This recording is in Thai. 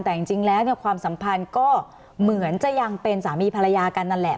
แต่จริงแล้วความสัมพันธ์ก็เหมือนจะยังเป็นสามีภรรยากันนั่นแหละ